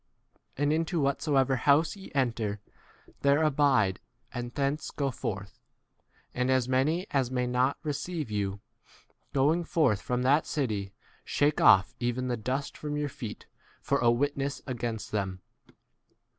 And into whatsoever house ye enter, there abide and thence go forth. 5 And as many as may not receive you, going forth from that city, shake off even the dust from your feet for a witness against them.